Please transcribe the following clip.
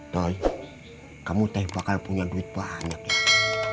toy kamu teh bakal punya duit banyak ya